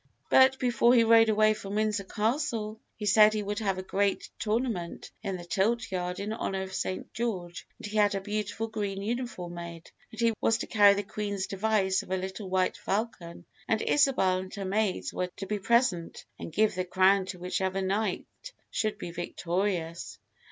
But before he rode away from Windsor Castle, he said he would have a great tournament in the tilt yard in honor of St. George, and he had a beautiful green uniform made, and he was to carry the Queen's device of a little white falcon, and Isabel and her maids were to be present and give the crown to whichever knight should be victorious.